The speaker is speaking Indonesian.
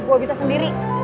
gue bisa sendiri